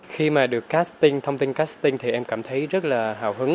khi mà được casting thông tin casting thì em cảm thấy rất là hào hứng